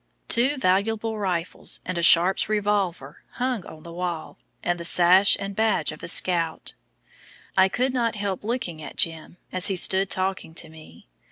Two valuable rifles and a Sharp's revolver hung on the wall, and the sash and badge of a scout. I could not help looking at "Jim" as he stood talking to me.